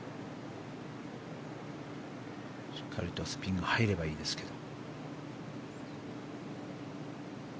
しっかりとスピンが入ればいいですけど。